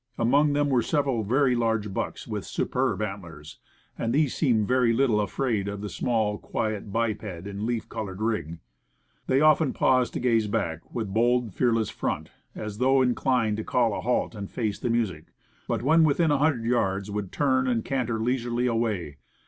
Among them were several very large bucks with superb antlers, and these seemed very little afraid of the small, quiet biped in leaf colored rig. They often paused to gaze back with bold, fearless front, as though inclined to call a halt and face the music; but when within a hundred yards, would turn and canter leisurely away.